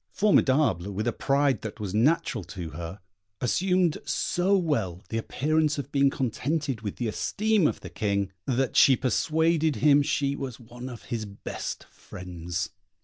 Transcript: Formidable, with a pride that was natural to her, assumed so well the appearance of being contented with the esteem of the King, that she persuaded him she was one of his best friends.